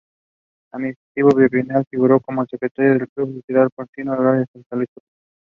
He is also an awarded travel writer.